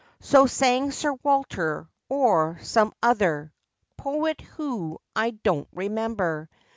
So sang Sir Walter, or some other Poet—who, I do n't remember.